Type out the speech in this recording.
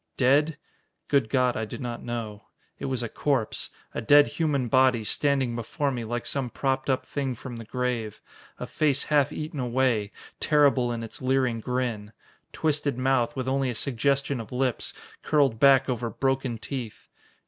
Dead? Good God, I do not know. It was a corpse, a dead human body, standing before me like some propped up thing from the grave. A face half eaten away, terrible in its leering grin. Twisted mouth, with only a suggestion of lips, curled back over broken teeth.